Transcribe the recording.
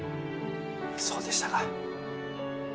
そうでしたか。